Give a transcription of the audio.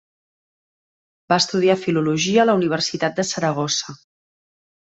Va estudiar filologia a la Universitat de Saragossa.